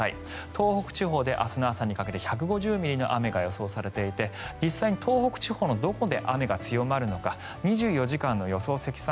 東北地方で明日の朝にかけて１５０ミリの雨が予想されていて実際に、東北地方のどこで雨が強まるのか２４時間の予想積算